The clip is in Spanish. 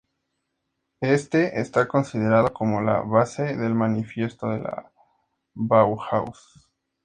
Éste está considerado como la base del manifiesto de la Bauhaus.